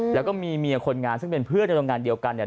แล้วก็มีเมียคนงานซึ่งเป็นเพื่อนในโรงงานเดียวกันเนี่ย